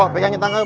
pegangin tangan ya